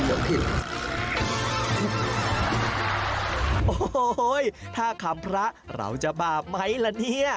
โอ้โฮห่อยถ้าคำพระเราจะบ่ามั้ยล่ะที